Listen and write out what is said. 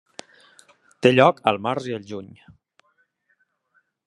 Té lloc al març i el juny.